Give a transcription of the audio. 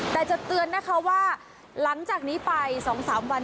แต่จะเตือนนะคะว่าหลังจากนี้ไป๒๓วัน